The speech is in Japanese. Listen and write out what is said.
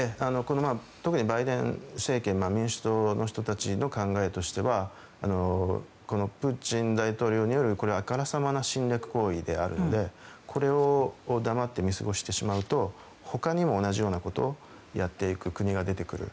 特にバイデン政権民主党の人たちの考えとしてはプーチン大統領によるこれは、あからさまな侵略行為なのでこれを黙って見過ごしてしまうと他にも同じようなことをやっていく国が出てくる。